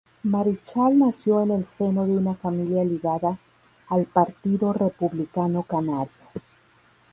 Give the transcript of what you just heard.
Marichal nació en el seno de una familia ligada al partido republicano canario.